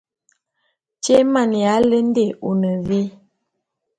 Tyé émaneya ya lende, one vé ?